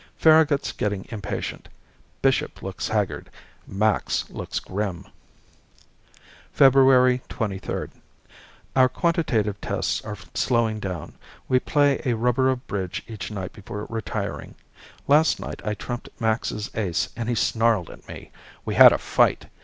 Farragut's getting impatient. Bishop looks haggard. Max looks grim. February 23 Our quantitative tests are slowing down. We play a rubber of bridge each night before retiring. Last night I trumped Max's ace and he snarled at me. We had a fight.